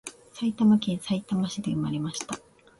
埼玉県さいたま市で産まれました